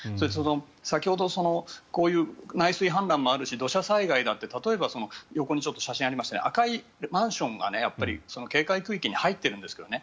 先ほどこういう内水氾濫もあるし土砂災害だって例えば、横に写真がありましたが赤いマンションが警戒区域に入っているんですよね。